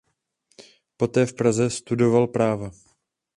Poté v Praze studoval práva.